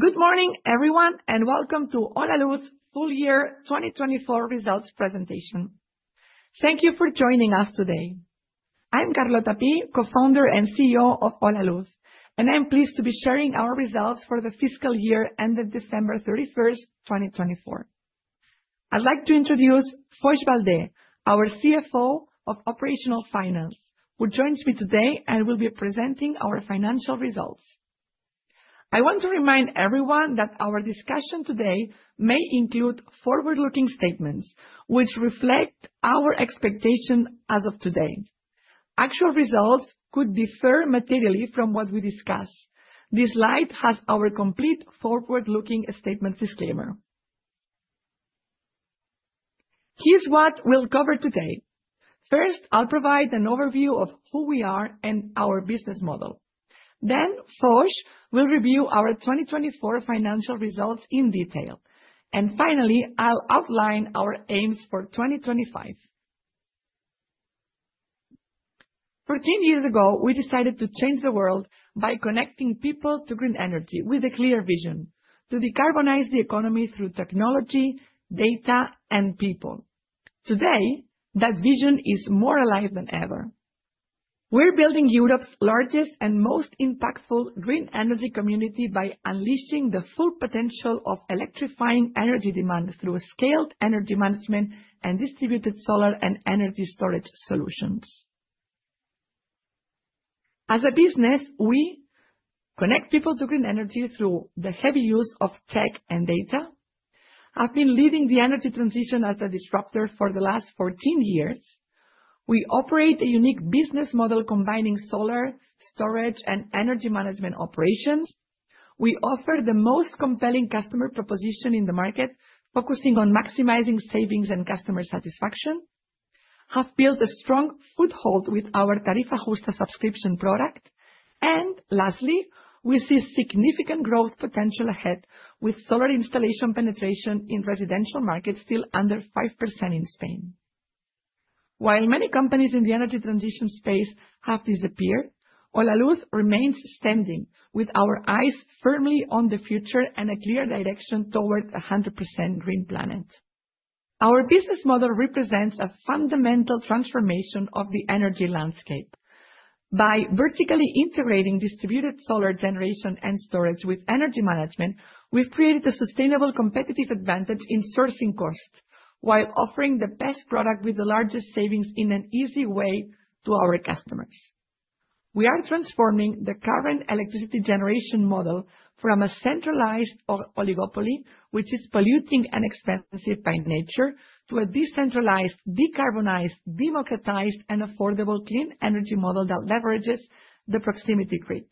Good morning, everyone, and welcome to Holaluz' full year 2024 Results presentation. Thank you for joining us today. I'm Carlota Pi, Co-Founder and CEO of Holaluz, and I'm pleased to be sharing our results for the fiscal year ended December 31st, 2024. I'd like to introduce Foix Valde, our CFO of Operational Finance, who joins me today and will be presenting our financial results. I want to remind everyone that our discussion today may include forward-looking statements which reflect our expectation as of today. Actual results could differ materially from what we discuss. This slide has our complete forward-looking statement disclaimer. Here's what we'll cover today. First, I'll provide an overview of who we are and our business model. Next, Foix will review our 2024 financial results in detail. Finally, I'll outline our aims for 2025. Fourteen years ago, we decided to change the world by connecting people to green energy with a clear vision: to decarbonize the economy through technology, data, and people. Today, that vision is more alive than ever. We're building Europe's largest and most impactful green energy community by unleashing the full potential of electrifying energy demand through scaled Energy Management and distributed solar and energy storage solutions. As a business, we connect people to green energy through the heavy use of tech and data. I've been leading the energy transition as a disruptor for the last 14 years. We operate a unique business model combining Solar Storage and Eergy Management operations. We offer the most compelling customer proposition in the market, focusing on maximizing savings and customer satisfaction. I've built a strong foothold with our Tarifa Justa subscription product. Lastly, we see significant growth potential ahead with solar installation penetration in residential markets still under 5% in Spain. While many companies in the energy transition space have disappeared, Holaluz remains standing with our eyes firmly on the future and a clear direction toward a 100% green planet. Our business model represents a fundamental transformation of the energy landscape. By vertically integrating distributed solar generation and storage with energy management, we've created a sustainable competitive advantage in sourcing costs while offering the best product with the largest savings in an easy way to our customers. We are transforming the current electricity generation model from a centralized oligopoly, which is polluting and expensive by nature, to a decentralized, decarbonized, democratized, and affordable clean energy model that leverages the proximity grid.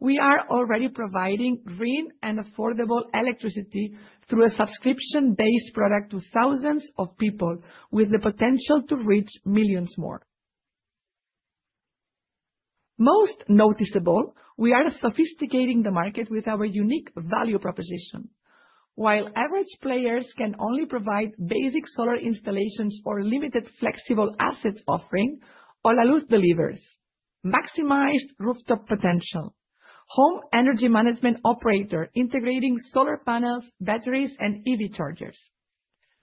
We are already providing green and affordable electricity through a subscription-based product to thousands of people with the potential to reach millions more. Most noticeable, we are sophisticating the market with our unique value proposition. While average players can only provide basic solar installations or limited flexible assets offering, Holaluz delivers: maximized rooftop potential, home Energy Management operator integrating solar panels, batteries, and EV chargers,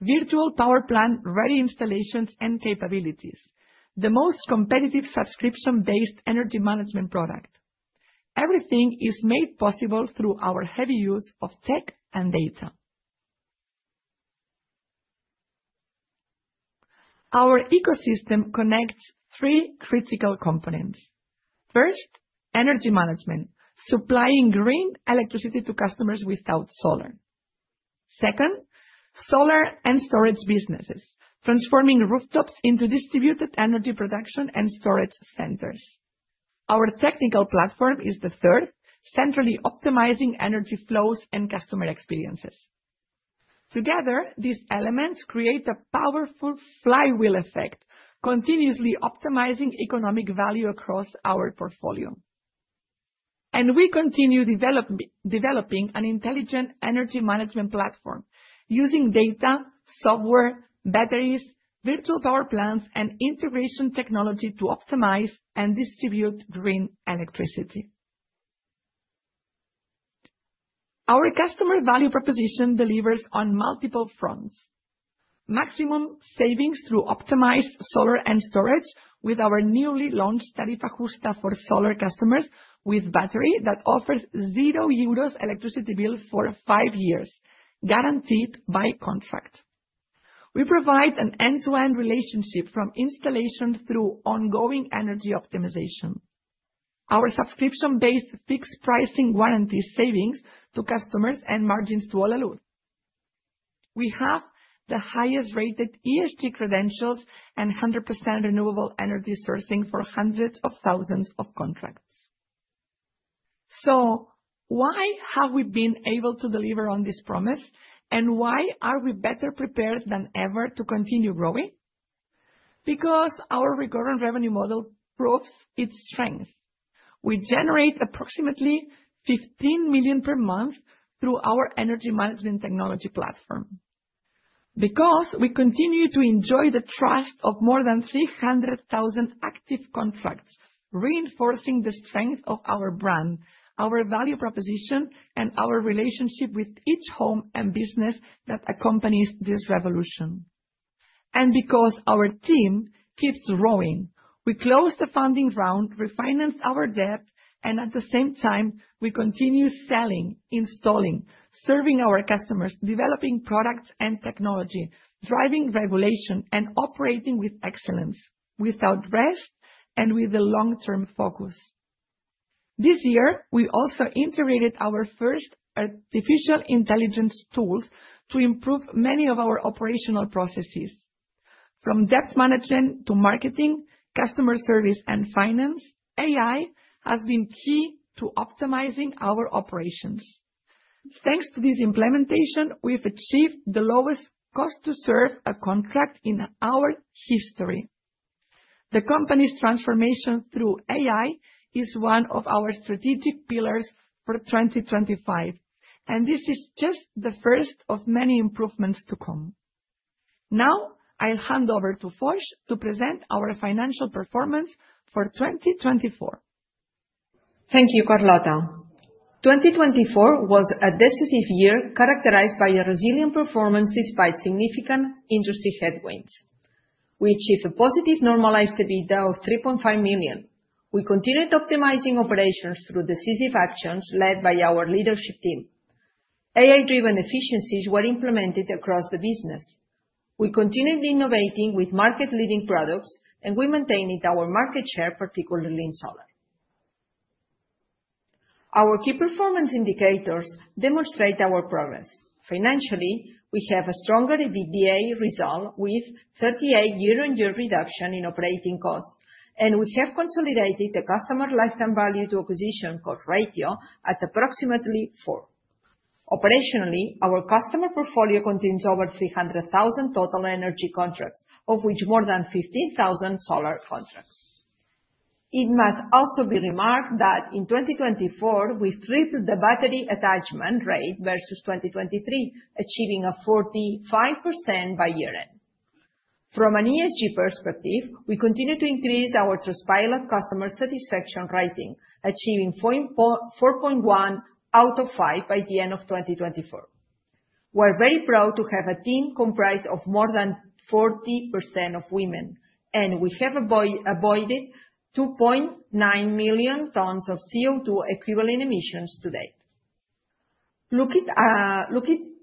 Virtual Power Plant ready installations and capabilities, the most competitive subscription-based Energy Management product. Everything is made possible through our heavy use of tech and data. Our ecosystem connects three critical components. First, energy management, supplying green electricity to customers without solar. Second, Solar and Storage businesses, transforming rooftops into distributed energy production and storage centers. Our technical platform is the third, centrally optimizing energy flows and customer experiences. Together, these elements create a powerful flywheel effect, continuously optimizing economic value across our portfolio. We continue developing an intelligent Energy Management platform using data, software, batteries, Virtual Power Plants, and integration technology to optimize and distribute green electricity. Our customer value proposition delivers on multiple fronts: maximum savings through optimized Solar and Storage with our newly launched Tarifa Justa for solar customers with battery that offers 0 euros electricity bill for five years, guaranteed by contract. We provide an end-to-end relationship from installation through ongoing energy optimization. Our subscription-based fixed pricing guarantees savings to customers and margins to Holaluz. We have the highest rated ESG credentials and 100% renewable energy sourcing for hundreds of thousands of contracts. Why have we been able to deliver on this promise, and why are we better prepared than ever to continue growing? Because our recurrent revenue model proves its strength. We generate approximately 15 million per month through our Energy Management technology platform. Because we continue to enjoy the trust of more than 300,000 active contracts, reinforcing the strength of our brand, our value proposition, and our relationship with each home and business that accompanies this revolution. Because our team keeps growing, we close the funding round, refinance our debt, and at the same time, we continue selling, installing, serving our customers, developing products and technology, driving regulation, and operating with excellence, without rest and with a long-term focus. This year, we also integrated our first artificial intelligence tools to improve many of our operational processes. From debt management to marketing, customer service, and finance, AI has been key to optimizing our operations. Thanks to this implementation, we've achieved the lowest cost-to-serve a contract in our history. The company's transformation through AI is one of our strategic pillars for 2025, and this is just the first of many improvements to come. Now, I'll hand over to Foix to present our financial performance for 2024. Thank you, Carlota. 2024 was a decisive year characterized by a resilient performance despite significant industry headwinds. We achieved a positive normalized EBITDA of 3.5 million. We continued optimizing operations through decisive actions led by our leadership team. AI-driven efficiencies were implemented across the business. We continued innovating with market-leading products, and we maintained our market share, particularly in solar. Our key performance indicators demonstrate our progress. Financially, we have a stronger EBITDA result with 38% year-on-year reduction in operating cost, and we have consolidated the customer lifetime value-to-acquisition cost ratio at approximately four. Operationally, our customer portfolio contains over 300,000 total energy contracts, of which more than 15,000 solar contracts. It must also be remarked that in 2024, we've tripled the battery attachment rate versus 2023, achieving a 45% by year-end. From an ESG perspective, we continue to increase our Trustpilot customer satisfaction rating, achieving 4.1 out of 5 by the end of 2024. We're very proud to have a team comprised of more than 40% women, and we have avoided 2.9 million tonnes of CO2 equivalent emissions to date. Looking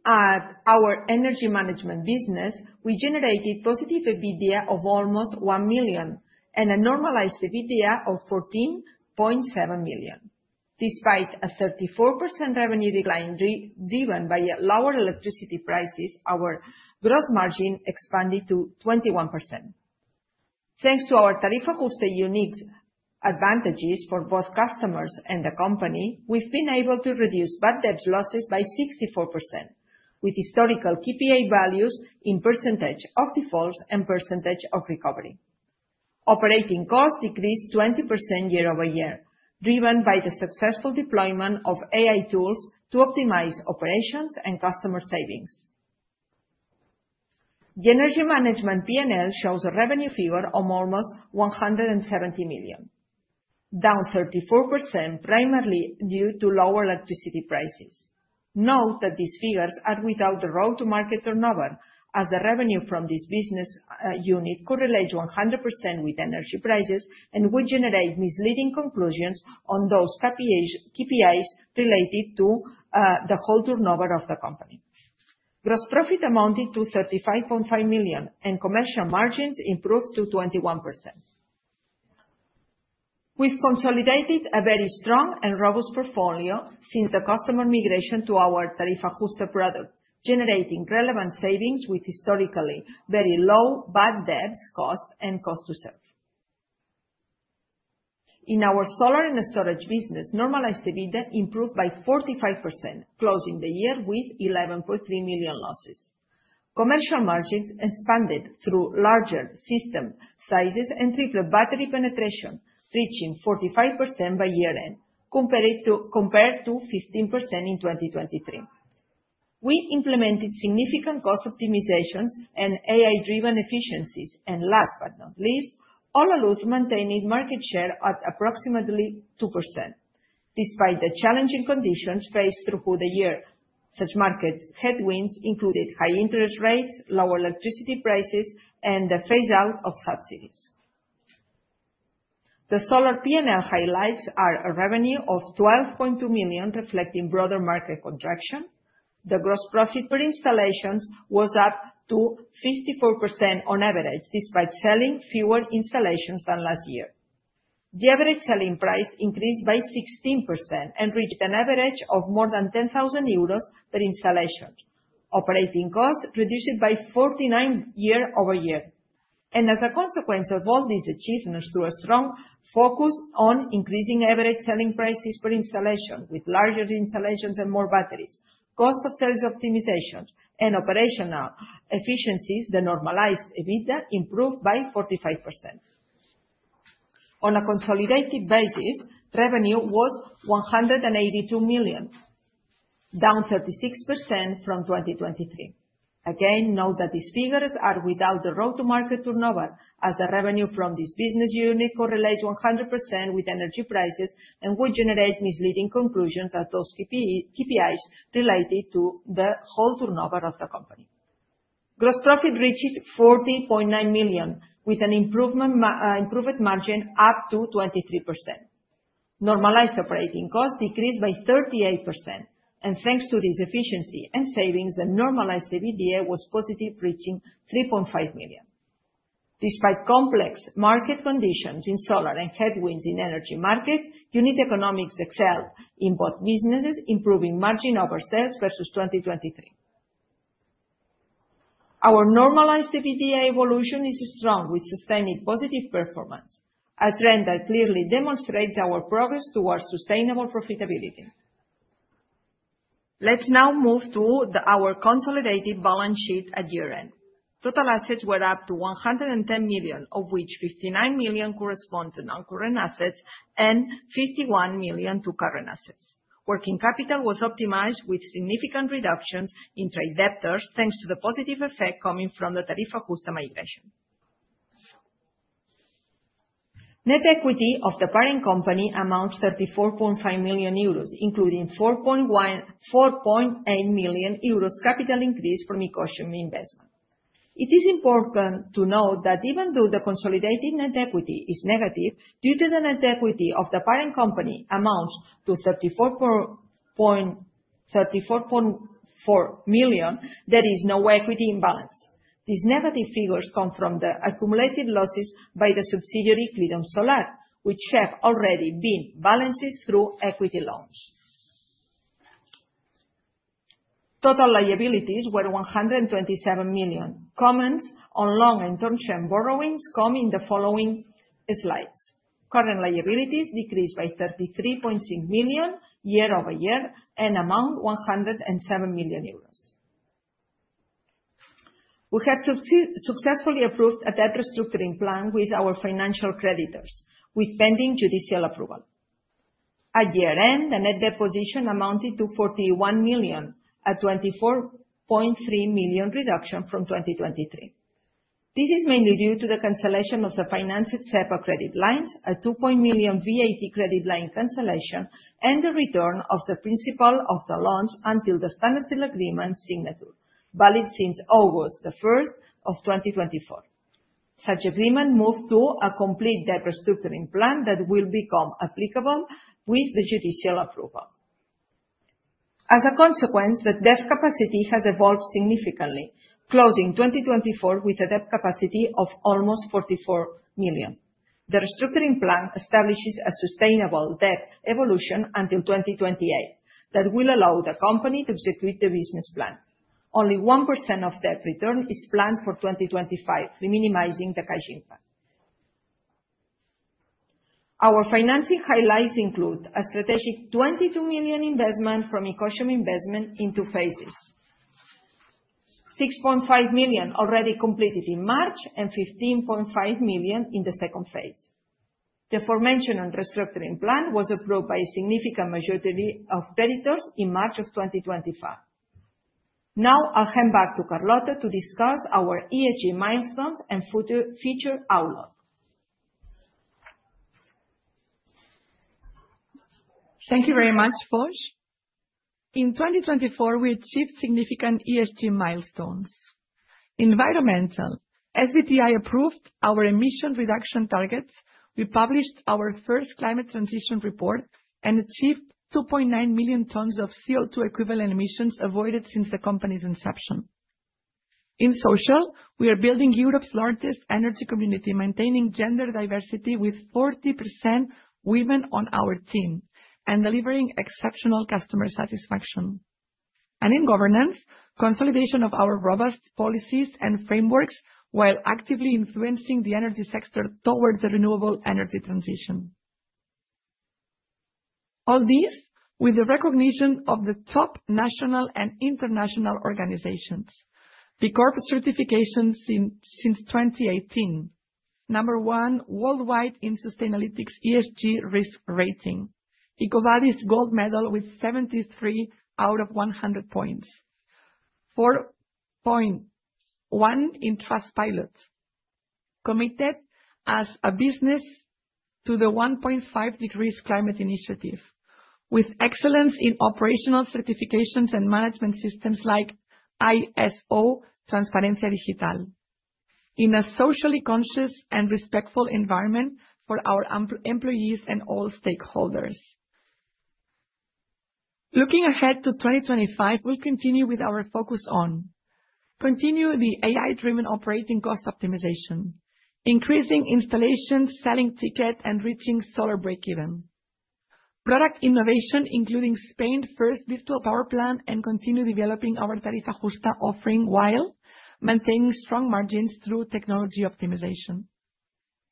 at our Energy Management business, we generated positive EBITDA of almost 1 million and a normalized EBITDA of 14.7 million. Despite a 34% revenue decline driven by lower electricity prices, our gross margin expanded to 21%. Thanks to our Tarifa Justa unique advantages for both customers and the company, we've been able to reduce bad debt losses by 64%, with historical KPI values in percentage of defaults and percentage of recovery. Operating costs decreased 20% year-over-year, driven by the successful deployment of AI tools to optimize operations and customer savings. The Energy Management P&L shows a revenue figure of almost 170 million, down 34%, primarily due to lower electricity prices. Note that these figures are without the road-to-market turnover, as the revenue from this business unit correlates 100% with energy prices and would generate misleading conclusions on those KPIs related to the whole turnover of the company. Gross profit amounted to 35.5 million, and commercial margins improved to 21%. We've consolidated a very strong and robust portfolio since the customer migration to our Tarifa Justa product, generating relevant savings with historically very low bad debts cost and cost-to-serve. In our Solar and Storage business, normalized EBITDA improved by 45%, closing the year with 11.3 million losses. Commercial margins expanded through larger system sizes and tripled battery penetration, reaching 45% by year-end, compared to 15% in 2023. We implemented significant cost optimizations and AI-driven efficiencies, and last but not least, Holaluz maintained market share at approximately 2%. Despite the challenging conditions faced throughout the year, such market headwinds included high interest rates, lower electricity prices, and the phase-out of subsidies. The solar P&L highlights are a revenue of 12.2 million, reflecting broader market contraction. The gross profit per installation was up to 54% on average, despite selling fewer installations than last year. The average selling price increased by 16% and reached an average of more than 10,000 euros per installation. Operating costs reduced by 49% year-over-year. As a consequence of all these achievements, through a strong focus on increasing average selling prices per installation, with larger installations and more batteries, cost of sales optimizations, and operational efficiencies, the normalized EBITDA improved by 45%. On a consolidated basis, revenue was 182 million, down 36% from 2023. Again, note that these figures are without the road-to-market turnover, as the revenue from this business unit correlates 100% with energy prices and would generate misleading conclusions at those KPIs related to the whole turnover of the company. Gross profit reached 40.9 million, with an improved margin up to 23%. Normalized operating costs decreased by 38%. Thanks to this efficiency and savings, the normalized EBITDA was positive, reaching 3.5 million. Despite complex market conditions in solar and headwinds in energy markets, unit economics excelled in both businesses, improving margin over sales versus 2023. Our normalized EBITDA evolution is strong, with sustained positive performance, a trend that clearly demonstrates our progress towards sustainable profitability. Let's now move to our consolidated balance sheet at year-end. Total assets were up to 110 million, of which 59 million correspond to non-current assets and 51 million to current assets. Working capital was optimized with significant reductions in trade debtors thanks to the positive effect coming from the Tarifa Justa migration. Net equity of the parent company amounts to 34.5 million euros, including 4.8 million euros capital increase from Icosium Investment. It is important to note that even though the consolidated net equity is negative, due to the net equity of the parent company amounts to 34.4 million, there is no equity imbalance. These negative figures come from the accumulated losses by the subsidiary Clidom Solar, which have already been balanced through equity loans. Total liabilities were 127 million. Comments on long and term-term borrowings come in the following slides. Current liabilities decreased by 33.6 million year-over-year and amount to 107 million euros. We have successfully approved a debt restructuring plan with our financial creditors, with pending judicial approval. At year-end, the net deposition amounted to 41 million, a 24.3 million reduction from 2023. This is mainly due to the cancellation of the financed SEPA credit lines, a 2.1 million VAT credit line cancellation, and the return of the principal of the loans until the Standard Steel Agreement signature, valid since August 1, 2024. Such agreement moved to a complete debt restructuring plan that will become applicable with the judicial approval. As a consequence, the debt capacity has evolved significantly, closing 2024 with a debt capacity of almost 44 million. The restructuring plan establishes a sustainable debt evolution until 2028 that will allow the company to execute the business plan. Only 1% of debt return is planned for 2025, minimizing the cash impact. Our financing highlights include a strategic 22 million investment from Icosium Investment in two phases: 6.5 million already completed in March and 15.5 million in the second phase. The aforementioned restructuring plan was approved by a significant majority of creditors in March of 2025. Now, I'll hand back to Carlota to discuss our ESG milestones and future outlook. Thank you very much, Foix. In 2024, we achieved significant ESG milestones. Environmental, SBTi approved our emission reduction targets. We published our first climate transition report and achieved 2.9 million tonnes of CO2 equivalent emissions avoided since the company's inception. In social, we are building Europe's largest energy community, maintaining gender diversity with 40% women on our team and delivering exceptional customer satisfaction. In governance, consolidation of our robust policies and frameworks while actively influencing the energy sector towards the renewable energy transition. All this with the recognition of the top national and international organizations. The B Corp certification since 2018, number one worldwide in sustainability's ESG risk rating, EcoVadis gold medal with 73 out of 100 points, 4.1 in Trustpilot, committed as a business to the 1.5 degrees climate initiative, with excellence in operational certifications and management systems like ISO Transparencia Digital, in a socially conscious and respectful environment for our employees and all stakeholders. Looking ahead to 2025, we'll continue with our focus on continuing the AI-driven operating cost optimization, increasing installation, selling ticket, and reaching solar break-even. Product innovation, including Spain's first Virtual Power Plant, and continuing developing our Tarifa Justa offering while maintaining strong margins through technology optimization.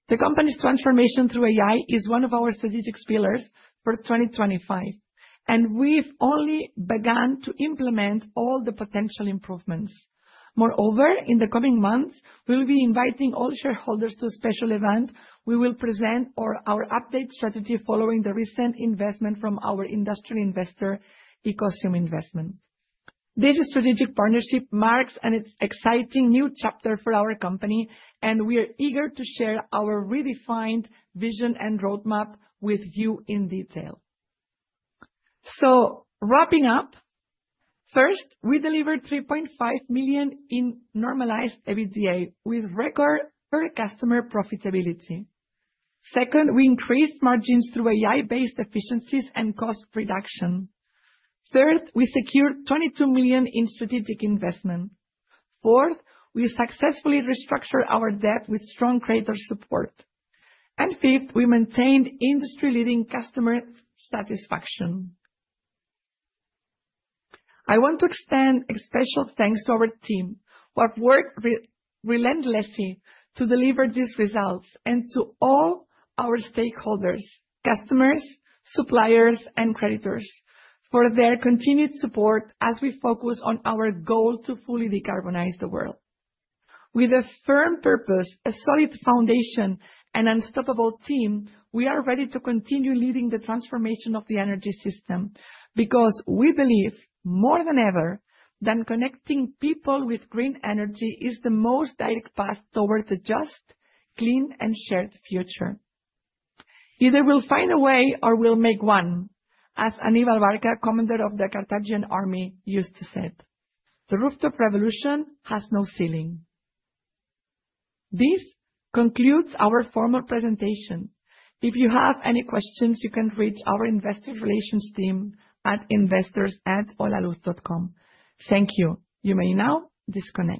The company's transformation through AI is one of our strategic pillars for 2025, and we've only begun to implement all the potential improvements. Moreover, in the coming months, we'll be inviting all shareholders to a special event. We will present our update strategy following the recent investment from our Industry Investor, Icosium Investment. This strategic partnership marks an exciting new chapter for our company, and we are eager to share our redefined vision and roadmap with you in detail. Wrapping up, first, we delivered 3.5 million in normalized EBITDA with record per customer profitability. Second, we increased margins through AI-based efficiencies and cost reduction. Third, we secured 22 million in strategic investment. Fourth, we successfully restructured our debt with strong creditor support. Fifth, we maintained industry-leading customer satisfaction. I want to extend a special thanks to our team who have worked relentlessly to deliver these results and to all our stakeholders, customers, suppliers, and creditors for their continued support as we focus on our goal to fully decarbonize the world. With a firm purpose, a solid foundation, and an unstoppable team, we are ready to continue leading the transformation of the energy system because we believe more than ever that connecting people with green energy is the most direct path towards a just, clean, and shared future. Either we'll find a way or we'll make one, as Aníbal Barca, Commander of the Carthaginian Army, used to say. The rooftop revolution has no ceiling. This concludes our formal presentation. If you have any questions, you can reach our investor relations team at investors@holaluz.com. Thank you. You may now disconnect.